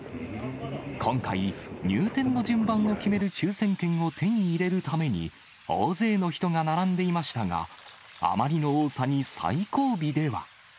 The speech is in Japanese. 今回、入店の順番を決める抽せん券を手に入れるために、大勢の人が並んでいましたが、あまりの多さに最後尾では。